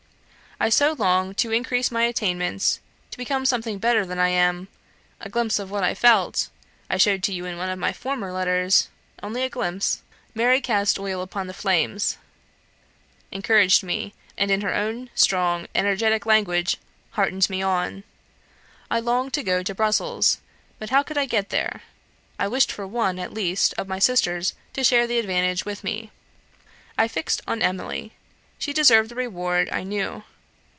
I so longed to increase my attainments to become something better than I am; a glimpse of what I felt, I showed to you in one of my former letters only a glimpse; Mary cast oil upon the flames encouraged me, and in her own strong, energetic language, heartened me on. I longed to go to Brussels; but how could I get there? I wished for one, at least, of my sisters to share the advantage with me. I fixed on Emily. She deserved the reward, I knew.